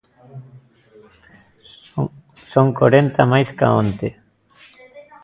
Son corenta máis ca onte.